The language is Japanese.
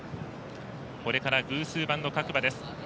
これから偶数番の各馬です。